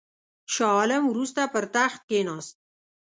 شاه عالم وروسته پر تخت کښېنست.